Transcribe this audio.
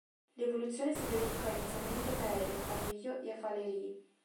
L'evoluzione si verificò inizialmente a Caere, a Veio e a Falerii.